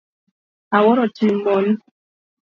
Awuoro tim mon.